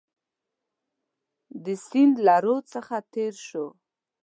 د سیند له رود څخه تېر شو.